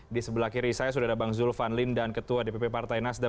di sebelah kiri saya sudah ada bang zulfan lim dan ketua dpp partai nasdem